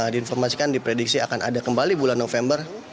diinformasikan diprediksi akan ada kembali bulan november